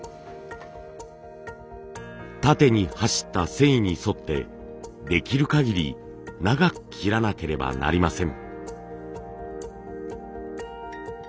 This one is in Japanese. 縦に走った繊維に沿ってできるかぎり長く切らなければなりません。